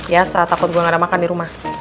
ya takut gue gak ada makan di rumah